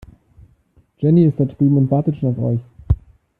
Jenny ist da drüben und wartet schon auf euch.